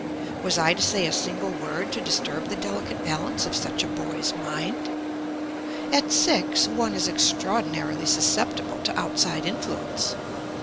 Was I to say a single word to disturb the delicate balance of such a boy's mind? At six one is extraordinarily susceptible to outside influence.